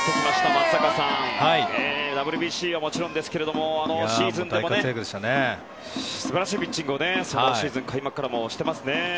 松坂さんＷＢＣはもちろんですがシーズンでも素晴らしいピッチングを開幕からしていますね。